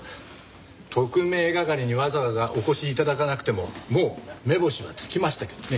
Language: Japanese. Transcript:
特命係にわざわざお越し頂かなくてももう目星はつきましたけどね。